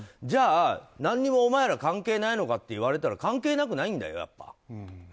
じゃあ、何もお前ら関係ないのかと言われたら関係なくないんだよ、やっぱ。